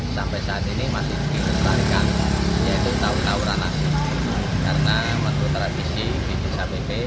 sampai saat ini masih dikeluarkan yaitu tahun tauranasi karena metode tradisi di jisabete